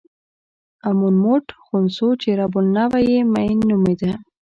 امون موټ خونسو چې رب النوع یې مېن نومېده.